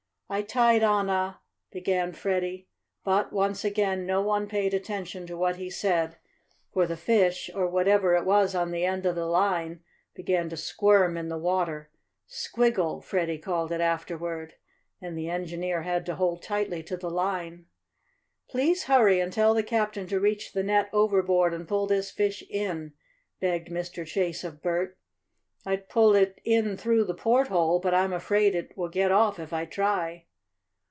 "I tied on a " began Freddie, but, once again, no one paid attention to what he said, for the fish, or whatever it was on the end of the line, began to squirm in the water, "squiggle" Freddie called it afterward and the engineer had to hold tightly to the line. "Please hurry and tell the captain to reach the net overboard and pull this fish in," begged Mr. Chase of Bert. "I'd pull it in through the porthole, but I'm afraid it will get off if I try."